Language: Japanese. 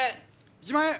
１万円！